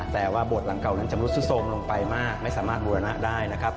แต่ว่าโบสถ์หลังเก่านั้นจะรุดซุดโทรมลงไปมากไม่สามารถบูรณะได้นะครับ